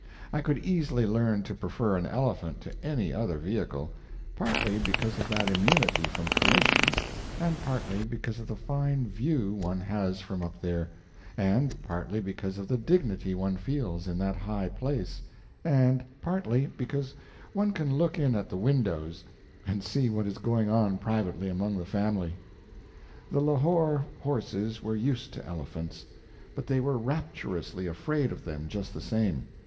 I could easily learn to prefer an elephant to any other vehicle, partly because of that immunity from collisions, and partly because of the fine view one has from up there, and partly because of the dignity one feels in that high place, and partly because one can look in at the windows and see what is going on privately among the family. The Lahore horses were used to elephants, but they were rapturously afraid of them just the same.